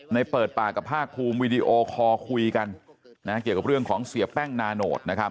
เปิดปากกับภาคภูมิวีดีโอคอลคุยกันเกี่ยวกับเรื่องของเสียแป้งนาโนต